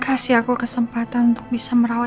kasih aku kesempatan untuk berbicara dengan kamu